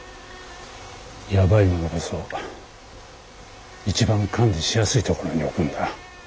やばいものこそ一番管理しやすい所に置くんだ。